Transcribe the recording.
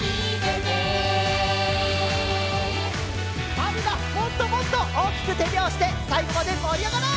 みんなもっともっとおおきくてびょうししてさいごまでもりあがろう！